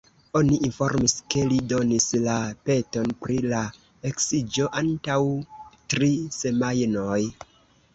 Oni informis ke li donis la peton pri la eksiĝo antaŭ tri semajnoj.